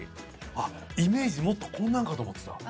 あっイメージもっとこんなんかと思ってた。